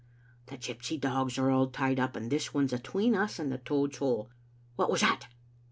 " The gypsy dogs are all tied up, and this one's atween us and the Toad*s hole. What was that?"